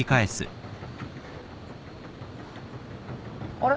あれ？